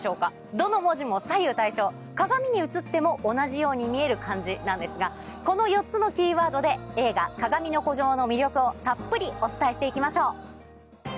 どの文字も左右対称鏡に映っても同じように見える漢字なんですがこの４つのキーワードで映画『かがみの孤城』の魅力をたっぷりお伝えして行きましょう。